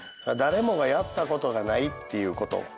誰もがやったことがないっていうこと。